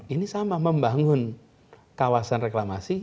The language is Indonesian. ini sama membangun kawasan reklamasi